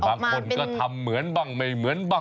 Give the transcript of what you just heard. บางคนก็ทำเหมือนบ้างไม่เหมือนบ้าง